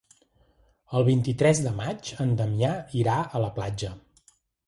El vint-i-tres de maig en Damià irà a la platja.